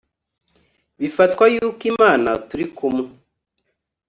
bifatwa yuko imana turi kumwe